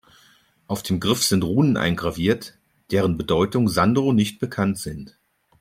Auf dem Griff sind Runen eingraviert, deren Bedeutung Sandro nicht bekannt sind.